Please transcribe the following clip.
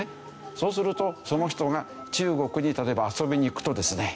そうするとその人が中国に例えば遊びに行くとですね